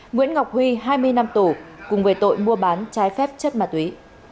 nguyễn ngọc huy hai mươi năm tù cùng về tội mua bán trái phép chất ma túy